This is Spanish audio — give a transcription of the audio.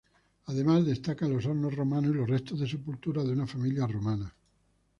Además destacan los hornos romanos y los restos de sepulturas de una familia romana.